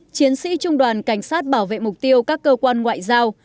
chiến sĩ trung đoàn cảnh sát bảo vệ mục tiêu các cơ quan ngoại giao